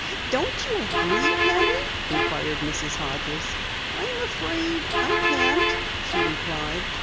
"Don't you agree, Penny?" inquired Mrs. Hodges. "I am afraid I can't," she replied.